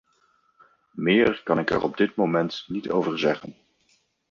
Meer kan ik er op dit moment niet over zeggen.